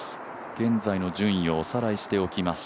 現在の順位をおさらいしておきます。